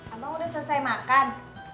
abang udah selesai makan